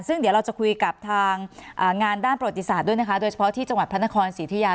ซึ่งเดี๋ยวเราจะคุยกับทางงานด้านประวัติศาสตร์ด้วยนะคะโดยเฉพาะที่จังหวัดพระนครศรีธุยา